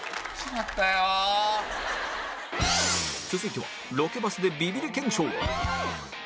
続いてはロケバスでビビリ検証